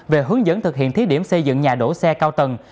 về hướng dẫn thực hiện thí điểm xây dựng nhà đổ xe cao tầng